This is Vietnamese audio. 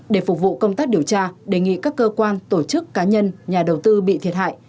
để phục vụ công tác điều tra đề nghị các cơ quan tổ chức cá nhân nhà đầu tư bị thiệt hại